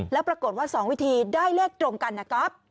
แล้วปรากฏว่า๒วิธีได้เลขตรงกันนะครับ